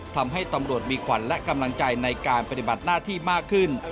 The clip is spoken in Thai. ทำให้ตำรวจมีขวัญและกำลังใจในการปฏิบัติหน้าที่มากขึ้น